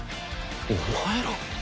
お前ら。